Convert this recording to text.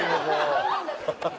ハハハハ！